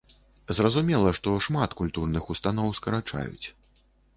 Зразумела, што шмат культурных устаноў скарачаюць.